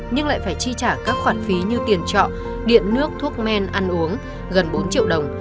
nhưng lại phải chi trả các khoản phí như tiền trọ điện nước thuốc men ăn uống gần bốn triệu đồng